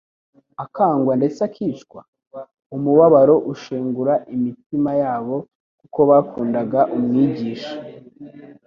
akangwa ndetse akicwa? Umubabaro ushengura imitima yabo kuko bakundaga Umwigisha.